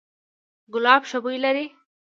ګلاب ښه بوی لري